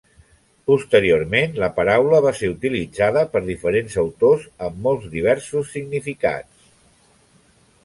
Posteriorment, la paraula va ser utilitzada per diferents autors amb molt diversos significats.